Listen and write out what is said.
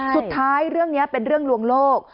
สุดท้ายเรื่องนี้เป็นเรื่องลวงโลก